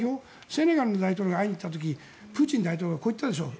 セネガルの大統領が会いに行った時にプーチン大統領がこう言ったでしょう。